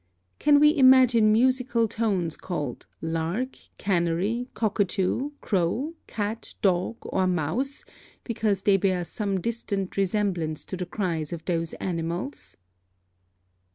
Can we imagine musical tones called lark, canary, cockatoo, crow, cat, dog, or mouse, because they bear some distant resemblance to the cries of those animals?